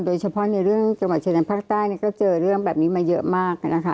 โดยเฉพาะในเรื่องจังหวัดชายแดนภาคใต้ก็เจอเรื่องแบบนี้มาเยอะมากนะคะ